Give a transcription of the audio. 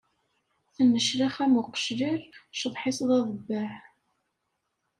Tenneclax am uqeclal, cceḍḥ-is d aḍebbal.